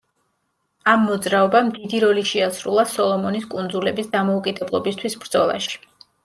ამ მოძრაობამ დიდი როლი შეასრულა სოლომონის კუნძულების დამოუკიდებლობისთვის ბრძოლაში.